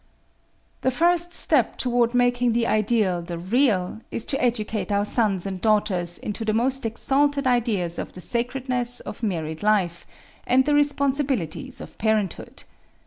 "The first step toward making the ideal the real, is to educate our sons and daughters into the most exalted ideas of the sacredness of married life and the responsibilities of parenthood.